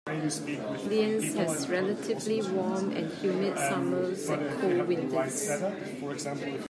Lienz has relatively warm and humid summers and cold winters.